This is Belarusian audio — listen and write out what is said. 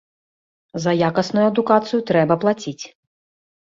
За якасную адукацыю трэба плаціць!